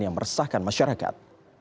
yang meresahkan masyarakat